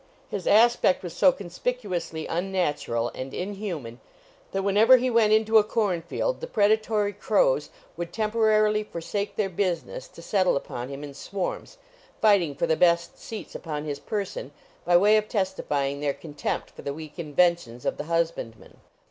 His aspect was so conspicuously unnatural and inhuman that whenever he went into a cornfield, the predatory crows would temporarily forsake their business to settle upon him in swarms, fighting for the best seats upon his person, by way of testifying their contempt for the weak inventions of the husbandman.